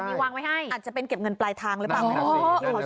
มีวางไว้ให้อาจจะเป็นเก็บเงินปลายทางหรือเปล่าไม่รู้